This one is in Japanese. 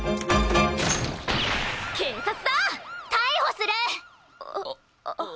警察だ！逮捕する！あっ。